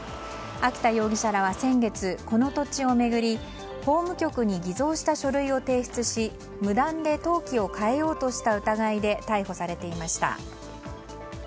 秋田容疑者らは先月この土地を巡り法務局に偽造した書類を提出し無断で登記を変えようとした疑いで逮捕されていました。